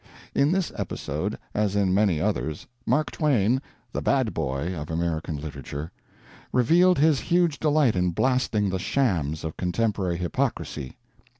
In this episode, as in many others, Mark Twain, the "bad boy" of American literature, revealed his huge delight in blasting the shams of contemporary hypocrisy.